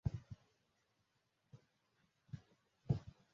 Umusore wambaye ishati yishyuwe arimo gukina muri garage